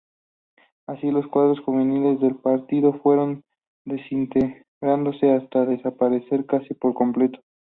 Así, los cuadros juveniles del partido fueron desintegrándose hasta desaparecer casi por completo.